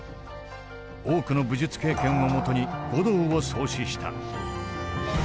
多くの武術経験をもとに護道を創始した。